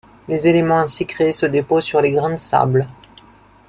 Les éléments ainsi créés se déposent sur les grains de sable.